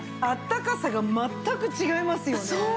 あったかさが全く違いますよね。